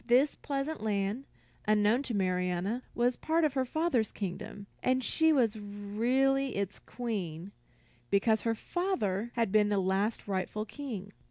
This pleasant land, unknown to Marianna, was part of her father's kingdom, and she was really its queen because her father had been the last rightful king.